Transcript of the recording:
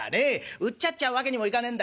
うっちゃっちゃうわけにもいかねえんだ。